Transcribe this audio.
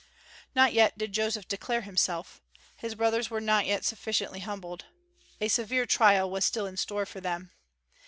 Not yet did Joseph declare himself. His brothers were not yet sufficiently humbled; a severe trial was still in store for them.